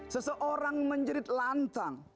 seseorang menjerit lantang